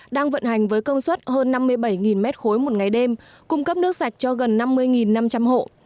đang vận hành với công suất hơn năm mươi bảy m ba một ngày đêm cung cấp nước sạch cho gần năm mươi năm trăm linh hộ